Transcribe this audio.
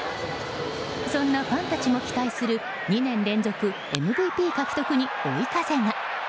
そんなファンたちも期待する２年連続ＭＶＰ獲得に追い風が。